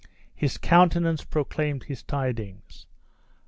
His countenance proclaimed his tidings.